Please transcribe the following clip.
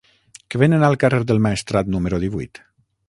Què venen al carrer del Maestrat número divuit?